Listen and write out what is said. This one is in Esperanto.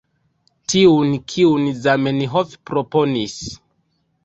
Tiun, kiun Zamenhof proponis.